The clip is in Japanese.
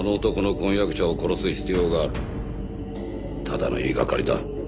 ただの言いがかりだ。